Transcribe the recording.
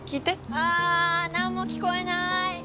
あなんも聞こえない。